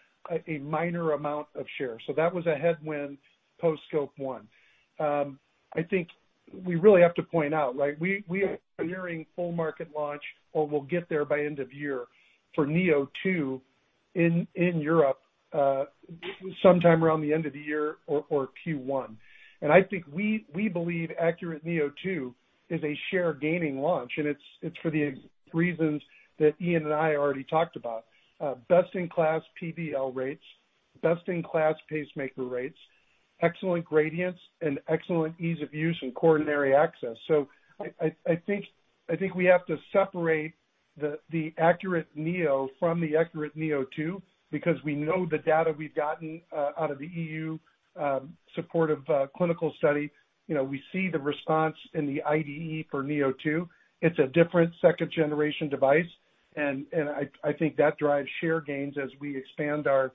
minor amount of share. That was a headwind post SCOPE I. I think we really have to point out, we are nearing full market launch, or we'll get there by end of year for Neo2 in Europe, sometime around the end of the year or Q1. I think we believe ACURATE neo2 is a share gaining launch, and it's for the reasons that Ian and I already talked about. Best in class PVL rates, best in class pacemaker rates, excellent gradients, and excellent ease of use and coronary access. I think we have to separate the ACURATE neo from the ACURATE neo2 because we know the data we've gotten out of the E.U. supportive clinical study. We see the response in the IDE for Neo2. It's a different second generation device, and I think that drives share gains as we expand our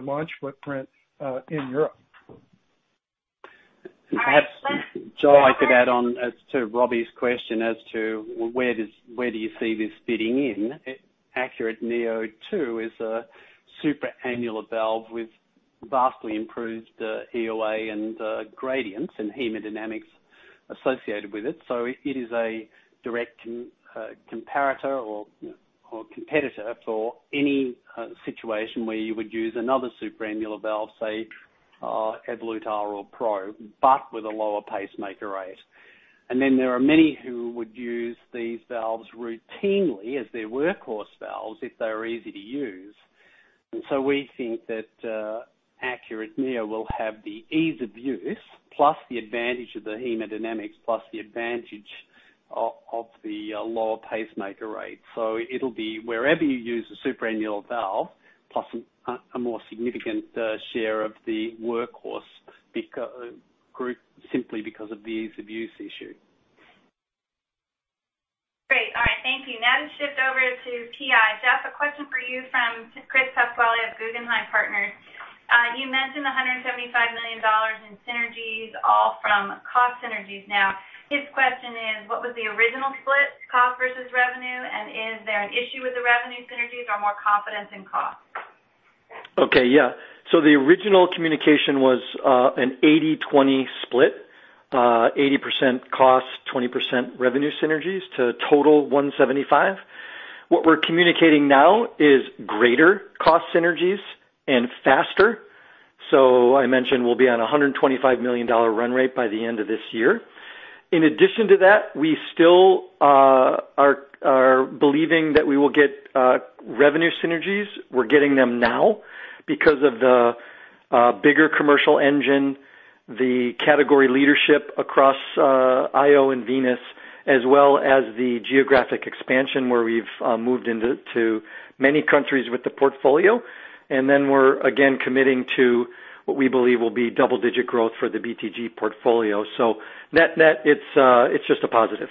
launch footprint in Europe. All right. Joe, I could add on as to Robbie's question as to where do you see this fitting in? ACURATE neo2 is a supra-annular valve with vastly improved EOA and gradients and hemodynamics associated with it. It is a direct comparator or competitor for any situation where you would use another supra-annular valve, say, Evolut R or PRO, but with a lower pacemaker rate. There are many who would use these valves routinely as their workhorse valves if they are easy to use. We think that ACURATE neo will have the ease of use plus the advantage of the hemodynamics, plus the advantage of the lower pacemaker rate. It'll be wherever you use a supra-annular valve plus a more significant share of the workhorse group simply because of the ease of use issue. Great. All right. Thank you. To shift over to TI. Jeff, a question for you from Chris Pasquale of Guggenheim Partners. You mentioned $175 million in synergies, all from cost synergies. His question is, what was the original split, cost versus revenue? And is there an issue with the revenue synergies or more confidence in cost? Okay. Yeah. The original communication was an 80/20 split, 80% cost, 20% revenue synergies to a total of $175 What we're communicating now is greater cost synergies and faster. I mentioned we'll be on $125 million run rate by the end of this year. In addition to that, we still are believing that we will get revenue synergies. We're getting them now because of the bigger commercial engine, the category leadership across IO and Venous, as well as the geographic expansion where we've moved into many countries with the portfolio. Then we're again committing to what we believe will be double-digit growth for the BTG portfolio. Net-net, it's just a positive.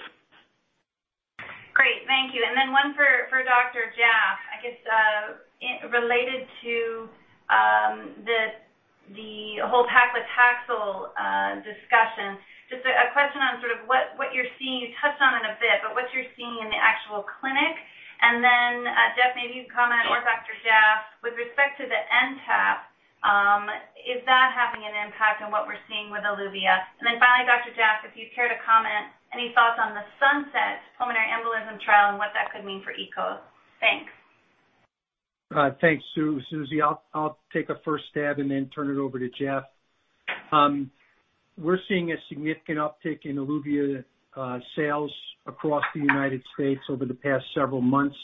Great. Thank you. One for Dr. Jaff, I guess, related to the whole paclitaxel discussion. Just a question on sort of what you're seeing. You touched on it a bit, but what you're seeing in the actual clinic. Jaff, maybe you can comment or Dr. Jaff, with respect to the NTAP, is that having an IN.PACT on what we're seeing with ELUVIA? Finally, Dr. Jaff, if you'd care to comment, any thoughts on the SUNSET pulmonary embolism trial and what that could mean for EKOS? Thanks. Thanks, Susie. I'll take a first stab and then turn it over to Jeff. We're seeing a significant uptick in ELUVIA sales across the U.S. over the past several months.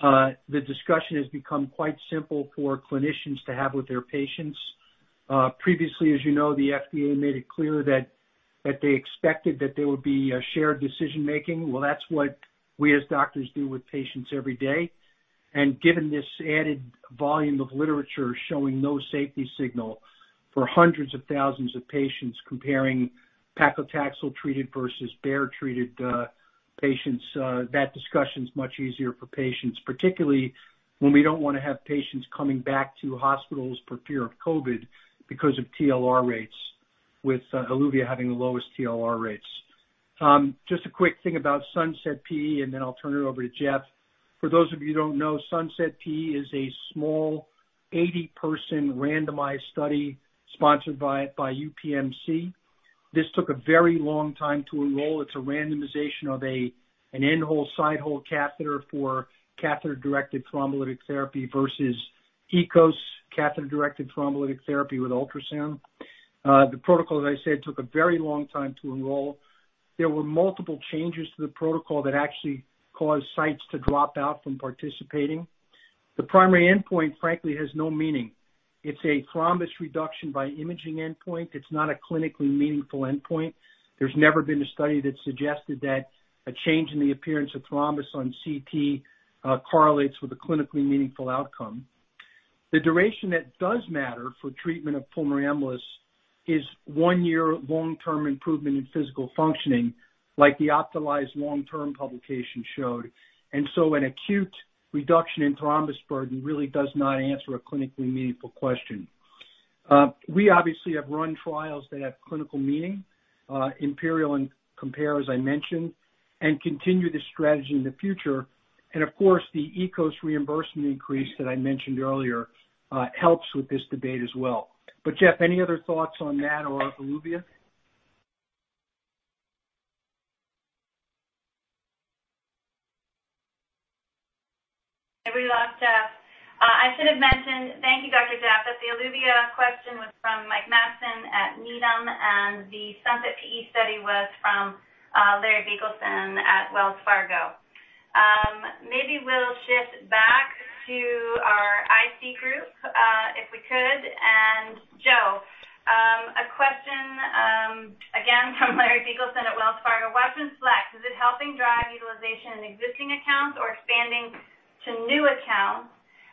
The discussion has become quite simple for clinicians to have with their patients. Previously, as you know, the FDA made it clear that they expected that there would be a shared decision-making. Well, that's what we as doctors do with patients every day. Given this added volume of literature showing no safety signal for hundreds of thousands of patients comparing paclitaxel-treated versus bare-treated patients, that discussion is much easier for patients, particularly when we don't want to have patients coming back to hospitals for fear of COVID because of TLR rates, with ELUVIA having the lowest TLR rates. Just a quick thing about SUNSET sPE and then I'll turn it over to Jeff. For those of you who don't know, SUNSET sPE is a small 80-person randomized study sponsored by UPMC. This took a very long time to enroll. It's a randomization of an end hole side hole catheter for catheter-directed thrombolytic therapy versus EKOS catheter-directed thrombolytic therapy with ultrasound. The protocol, as I said, took a very long time to enroll. There were multiple changes to the protocol that actually caused sites to drop out from participating. The primary endpoint, frankly, has no meaning. It's a thrombus reduction by imaging endpoint. It's not a clinically meaningful endpoint. There's never been a study that suggested that a change in the appearance of thrombus on CT correlates with a clinically meaningful outcome. The duration that does matter for treatment of pulmonary embolus is one year long-term improvement in physical functioning like the OPTALYSE long-term publication showed. An acute reduction in thrombus burden really does not answer a clinically meaningful question. We obviously have run trials that have clinical meaning, IMPERIAL and COMPARE, as I mentioned, and continue this strategy in the future. Of course, the EKOS reimbursement increase that I mentioned earlier helps with this debate as well. Jeff, any other thoughts on that or ELUVIA? We lost Jaff. I should have mentioned, thank you, Dr. Jaff, that the ELUVIA question was from Mike Matson at Needham and the SUNSET sPE study was from Larry Biegelsen at Wells Fargo. Maybe we'll shift back to our IC group, if we could. Joe, a question again from Larry Biegelsen at Wells Fargo. WATCHMAN FLX, is it helping drive utilization in existing accounts or expanding to new accounts?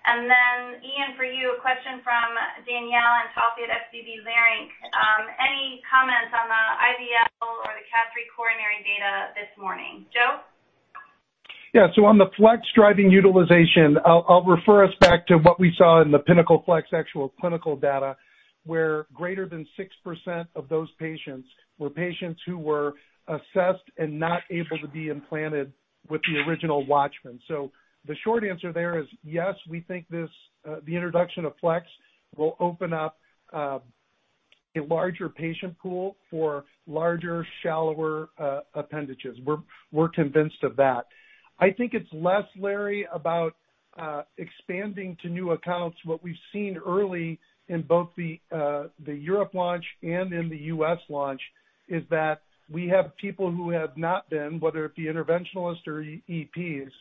Ian, for you, a question from Danielle Antalffy at SVB Leerink. Any comments on the IVL or the CAD III coronary data this morning? Joe? On the FLX driving utilization, I'll refer us back to what we saw in the PINNACLE FLX actual clinical data, where greater than 6% of those patients were patients who were assessed and not able to be implanted with the original WATCHMAN. The short answer there is, yes, we think the introduction of FLX will open up a larger patient pool for larger, shallower appendages. We're convinced of that. I think it's less, Larry, about expanding to new accounts. What we've seen early in both the Europe launch and in the U.S. launch is that we have people who have not been, whether it be interventionalists or EPs,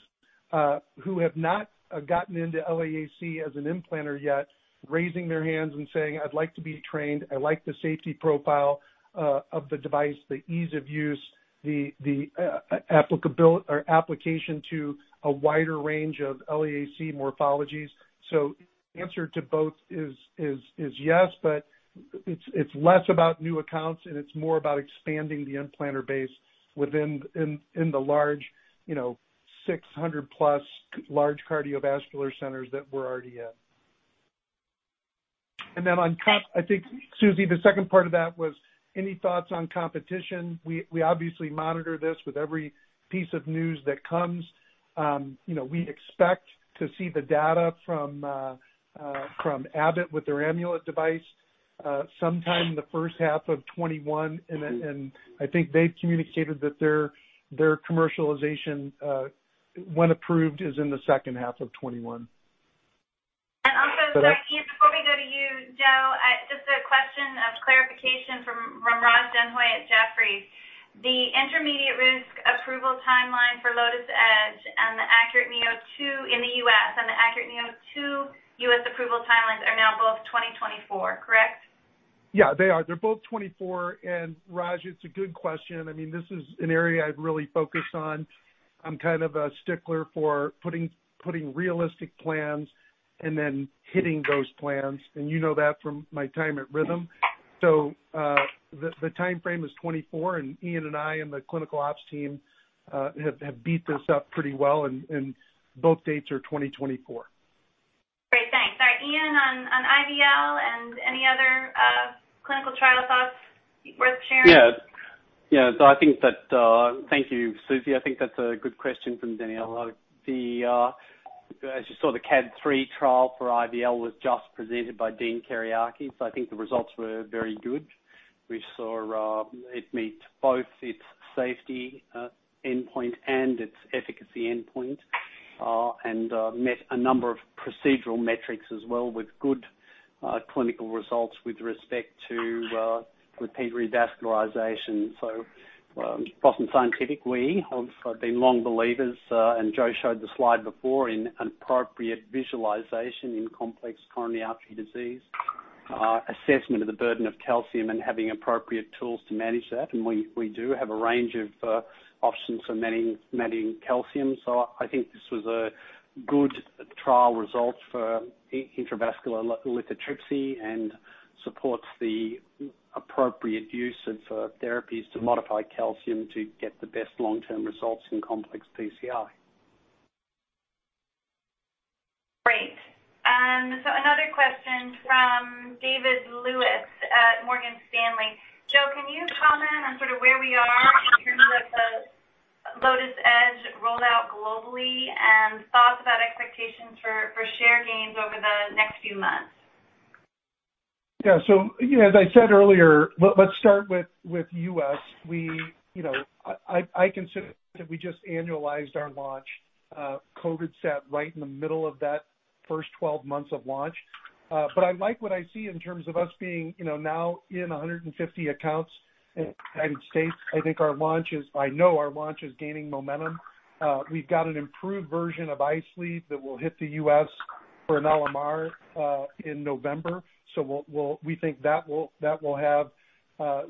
who have not gotten into LAAC as an implanter yet, raising their hands and saying, "I'd like to be trained. I like the safety profile of the device, the ease of use, the application to a wider range of LAAC morphologies. The answer to both is yes, but it's less about new accounts and it's more about expanding the implanter base within the large 600 plus large cardiovascular centers that we're already in. I think, Susie, the second part of that was any thoughts on competition? We obviously monitor this with every piece of news that comes. We expect to see the data from Abbott with their Amulet device sometime in the first half of 2021. I think they've communicated that their commercialization, when approved, is in the second half of 2021. Also, sorry, Ian, before we go to you, Joe, just a question of clarification from Raj Denhoy at Jefferies. The intermediate risk approval timeline for LOTUS Edge and the ACURATE neo2 in the U.S., and the ACURATE neo2 U.S. approval timelines are now both 2024, correct? Yeah, they are. They're both 2024. Raj, it's a good question. This is an area I've really focused on. I'm kind of a stickler for putting realistic plans and then hitting those plans. You know that from my time at Rhythm. The timeframe is 2024, and Ian and I and the clinical ops team have beat this up pretty well, and both dates are 2024. Great, thanks. All right, Ian, on IVL and any other clinical trial thoughts worth sharing? Thank you, Susie. I think that's a good question from Danielle. As you saw, the CAD III trial for IVL was just presented by Dean Kereiakes. I think the results were very good. We saw it meet both its safety endpoint and its efficacy endpoint, and met a number of procedural metrics as well, with good clinical results with respect to repeated revascularization. At Boston Scientific, we have been long believers, and Joe showed the slide before, in appropriate visualization in complex coronary artery disease, assessment of the burden of calcium, and having appropriate tools to manage that. We do have a range of options for managing calcium. I think this was a good trial result for intravascular lithotripsy and supports the appropriate use of therapies to modify calcium to get the best long-term results in complex PCI. Great. Another question from David Lewis at Morgan Stanley. Joe, can you comment on sort of where we are in terms of the LOTUS Edge rollout globally and thoughts about expectations for share gains over the next few months? As I said earlier, let's start with U.S. I consider that we just annualized our launch. COVID sat right in the middle of that first 12 months of launch. I like what I see in terms of us being now in 150 accounts in the U.S. I know our launch is gaining momentum. We've got an improved version of iSleeve that will hit the U.S. for an LMR in November. We think that will have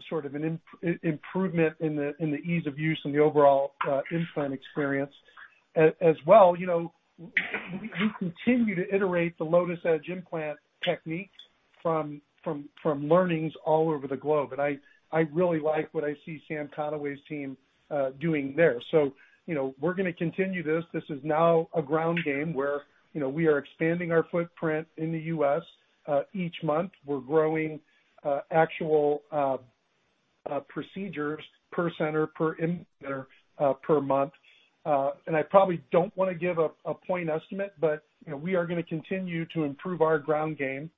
sort of an improvement in the ease of use and the overall implant experience. As well, we continue to iterate the LOTUS Edge implant technique from learnings all over the globe. I really like what I see Sam Conaway's team doing there. We're going to continue this. This is now a ground game where we are expanding our footprint in the U.S. Each month, we're growing actual procedures per center per implant per month. I probably don't want to give a point estimate, but we are going to continue to improve our ground game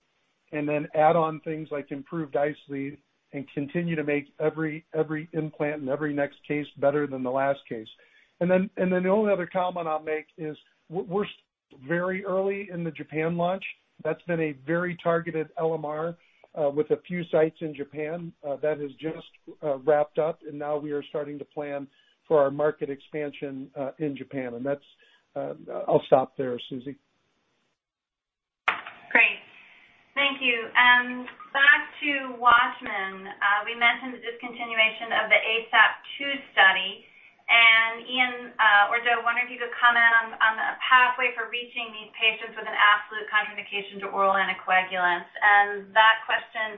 and then add on things like improved iSleeve and continue to make every implant and every next case better than the last case. Then the only other comment I'll make is we're very early in the Japan launch. That's been a very targeted LMR with a few sites in Japan. That has just wrapped up, and now we are starting to plan for our market expansion in Japan. I'll stop there, Susie. Great. Thank you. Back to WATCHMAN. We mentioned the discontinuation of the ASAP-TOO study, and Ian or Joe, wonder if you could comment on a pathway for reaching these patients with an absolute contraindication to oral anticoagulants. That question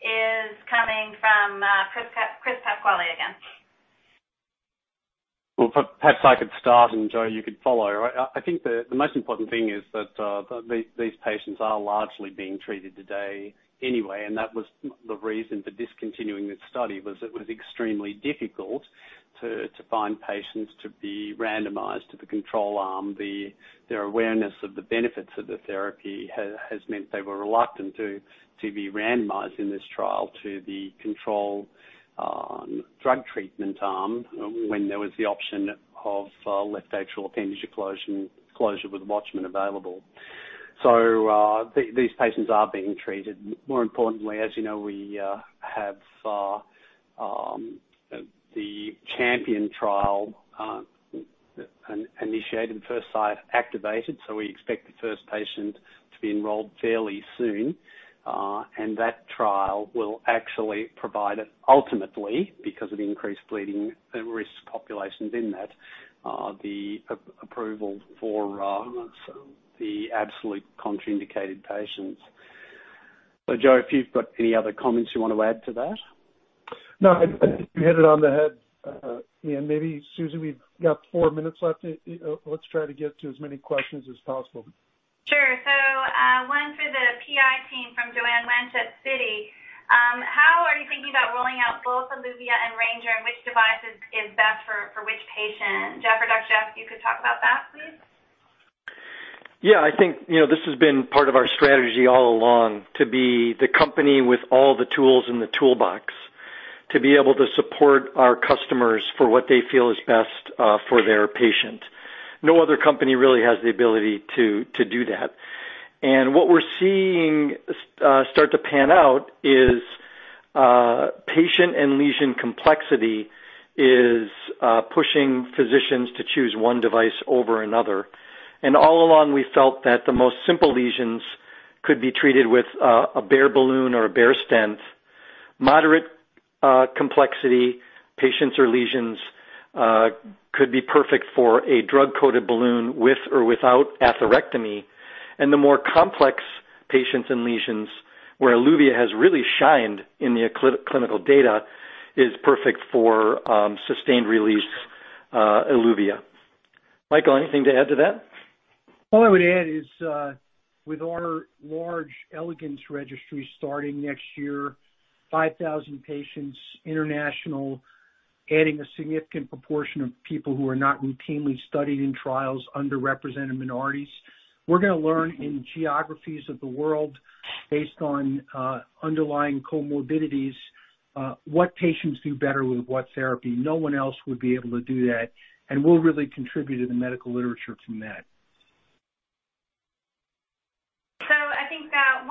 is coming from Chris Pasquale again. Well, perhaps I could start, and Joe, you could follow. I think the most important thing is that these patients are largely being treated today anyway, and that was the reason for discontinuing this study, was it was extremely difficult to find patients to be randomized to the control arm. Their awareness of the benefits of the therapy has meant they were reluctant to be randomized in this trial to the control drug treatment arm when there was the option of left atrial appendage closure with WATCHMAN available. These patients are being treated. More importantly, as you know, we have the CHAMPION-AF trial initiated and first site activated, so we expect the first patient to be enrolled fairly soon. That trial will actually provide it ultimately, because of increased bleeding risk populations in that, the approval for the absolute contraindicated patients. Joe, if you've got any other comments you want to add to that? No, I think you hit it on the head, Ian. Maybe Susie, we've got four minutes left. Let's try to get to as many questions as possible. Sure. One for the PI team from Joanne Wuensch at Citi. How are you thinking about rolling out both ELUVIA and Ranger, and which device is best for which patient? Jeff or Dr. Jeff, you could talk about that, please? Yeah, I think this has been part of our strategy all along, to be the company with all the tools in the toolbox to be able to support our customers for what they feel is best for their patient. No other company really has the ability to do that. What we're seeing start to pan out is patient and lesion complexity is pushing physicians to choose one device over another. All along, we felt that the most simple lesions could be treated with a bare balloon or a bare stent. Moderate complexity patients or lesions could be perfect for a drug-coated balloon with or without atherectomy. The more complex patients and lesions, where ELUVIA has really shined in the clinical data, is perfect for sustained-release ELUVIA. Michael, anything to add to that? All I would add is, with our large ELEGANCE registry starting next year, 5,000 patients, international, adding a significant proportion of people who are not routinely studied in trials, underrepresented minorities. We're going to learn in geographies of the world based on underlying comorbidities, what patients do better with what therapy. We'll really contribute to the medical literature from that.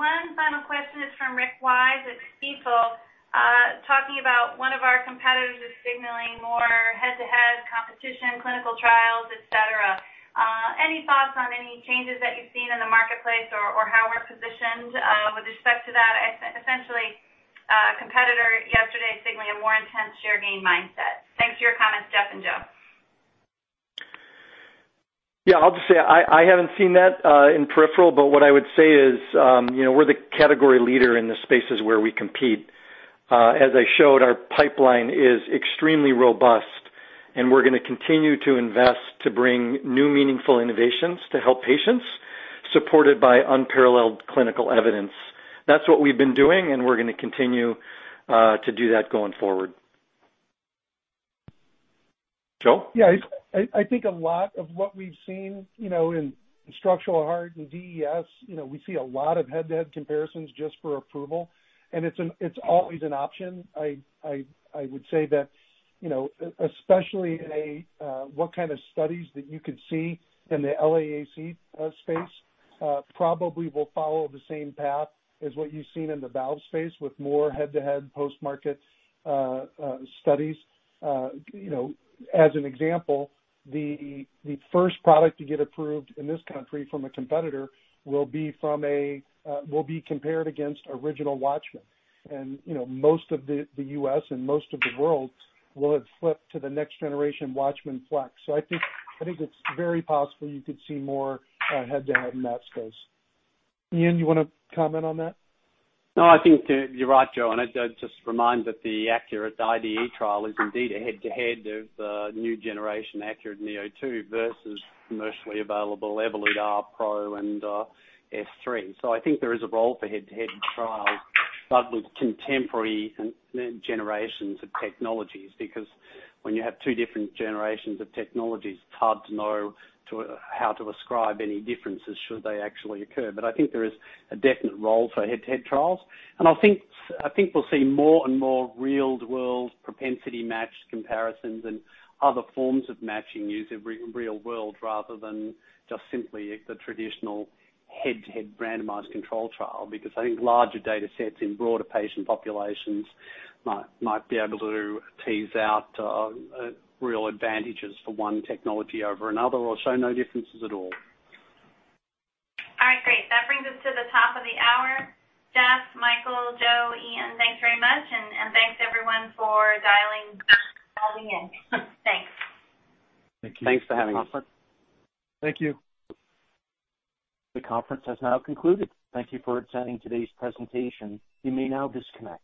I think that one final question is from Rick Wise at Stifel, talking about one of our competitors is signaling more head-to-head competition, clinical trials, et cetera. Any thoughts on any changes that you've seen in the marketplace or how we're positioned with respect to that? Essentially, a competitor yesterday signaling a more intense share gain mindset. Thanks for your comments, Jeff and Joe. I'll just say I haven't seen that in peripheral, but what I would say is we're the category leader in the spaces where we compete. As I showed, our pipeline is extremely robust, we're going to continue to invest to bring new meaningful innovations to help patients, supported by unparalleled clinical evidence. That's what we've been doing, we're going to continue to do that going forward. Joe? Yeah, I think a lot of what we've seen in structural heart and DES, we see a lot of head-to-head comparisons just for approval, and it is always an option. I would say that, especially in what kind of studies that you could see in the LAAC space, probably will follow the same path as what you have seen in the valve space with more head-to-head post-market studies. As an example, the first product to get approved in this country from a competitor will be compared against original WATCHMAN. And most of the U.S. and most of the world will have flipped to the next generation WATCHMAN FLX. So I think it is very possible you could see more head-to-head in that space. Ian, you want to comment on that? I think that you're right, Joe, and I'd just remind that the ACURATE IDE trial is indeed a head-to-head of new generation ACURATE neo2 versus commercially available Evolut R Pro and S3. I think there is a role for head-to-head trials, but with contemporary generations of technologies. When you have two different generations of technologies, it's hard to know how to ascribe any differences should they actually occur. I think there is a definite role for head-to-head trials, and I think we'll see more and more real-world propensity-matched comparisons and other forms of matching used in real world, rather than just simply the traditional head-to-head randomized controlled trial. I think larger data sets in broader patient populations might be able to tease out real advantages for one technology over another or show no differences at all. All right, great. That brings us to the top of the hour. Jeff, Michael, Joe, Ian, thanks very much, and thanks everyone for dialing in. Thanks. Thank you. Thanks for having us. Thank you. The conference has now concluded. Thank you for attending today's presentation. You may now disconnect.